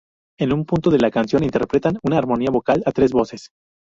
En un punto de la canción, interpretan una armonía vocal a tres voces.